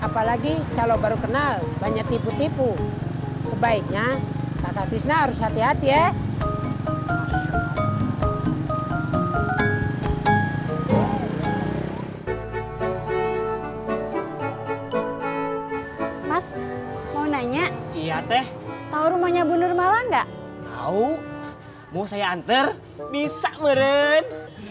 mas mau nanya iya teh tau rumahnya bu nurmala enggak tau mau saya antar bisa meren